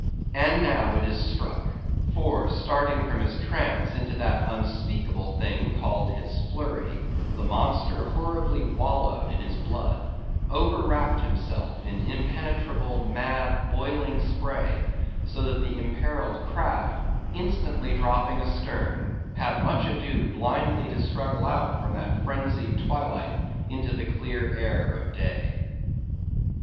And now it is struck; for, starting from his trance into that unspeakable thing called his "flurry," the monster horribly wallowed in his blood, overwrapped himself in impenetrable, mad, boiling spray, so that the imperilled craft, instantly dropping astern, had much ado blindly to struggle out from that phrensied twilight into the clear air of the day.